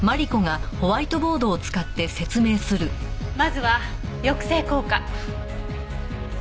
まずは抑制効果。